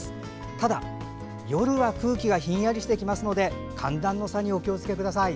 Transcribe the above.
ただ、夜は空気がひんやりしてきますので寒暖の差にお気をつけください。